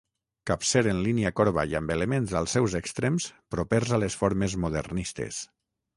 Capcer en línia corba i amb elements als seus extrems propers a les formes modernistes.